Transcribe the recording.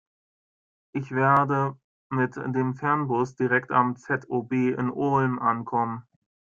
Ich werde mit dem Fernbus direkt am ZOB in Ulm ankommen.